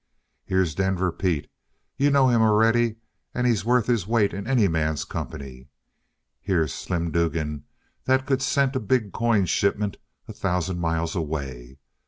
"Here's Denver Pete. You know him already, and he's worth his weight in any man's company. Here's Slim Dugan, that could scent a big coin shipment a thousand miles away.